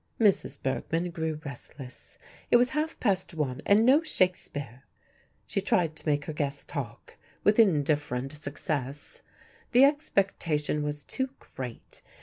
Mrs. Bergmann grew restless. It was half past one, and no Shakespeare. She tried to make her guests talk, with indifferent success. The expectation was too great.